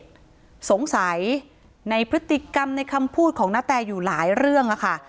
คิดว่าท่องสัยในพฤติกรรมในคำพูดของนะแตอยู่หลายเรื่องก็ค่ะ